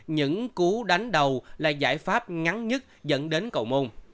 những cú đánh đầu là giải pháp ngắn nhất dẫn đến cầu môn